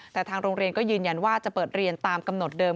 แต่ทางโรงเรียนก็ยืนยันว่าจะเปิดเรียนตามกำหนดเดิม